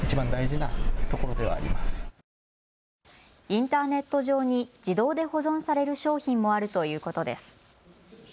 インターネット上に自動で保存される商品もあるということです。